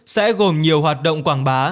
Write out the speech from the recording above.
sẽ gồm nhiều hoạt động quảng bá